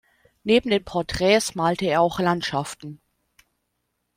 Neben den Porträts malte er auch Landschaften.